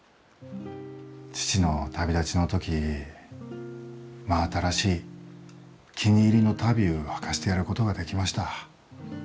父の旅立ちの時真新しい気に入りの足袋うはかせてやることができました。